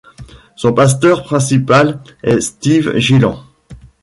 Son pasteur principal est Steve Gillen.